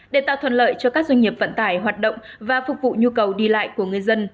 để tạo thuận lợi cho các doanh nghiệp vận tải hoạt động và phục vụ nhu cầu đi lại của người dân